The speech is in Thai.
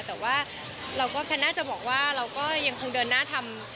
แต่ว่าเราก็แพนน่าจะบอกว่าเราก็ยังคงเดินหน้าทำ